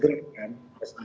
masifnya sekarang ini